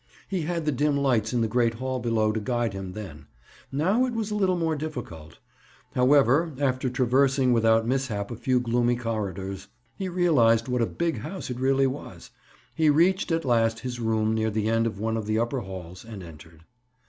He had the dim lights in the great hall below to guide him then. Now it was a little more difficult. However, after traversing without mishap a few gloomy corridors—he realized what a big house it really was—he reached, at last, his room near the end of one of the upper halls and entered.